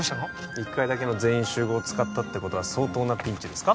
一回だけの全員集合使ったってことは相当なピンチですか？